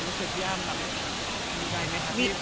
รู้สึกพี่อ้ำดีใจไหมคะ